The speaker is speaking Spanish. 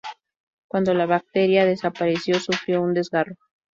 Cuando la bacteria desapareció, sufrió un desgarro.